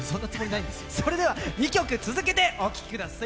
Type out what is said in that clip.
それでは２曲続けてお聴きください